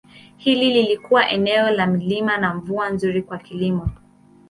Hili lilikuwa eneo la milima na mvua nzuri kwa kilimo.